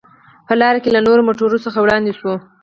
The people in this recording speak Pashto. په لار کې له نورو موټرو څخه وړاندې شوو.